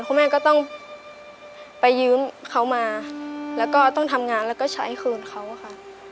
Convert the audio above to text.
คุณแม่ก็ต้องไปยืมเขามาแล้วก็ต้องทำงานแล้วก็ใช้คืนเขาค่ะ